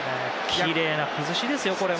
きれいな崩しですよ。